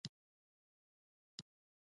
د بادام لرګي کلک وي.